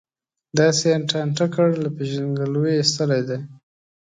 داسې یې ټانټه کړ، له پېژندګلوۍ یې ایستلی دی.